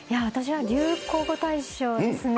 私は流行語大賞ですね。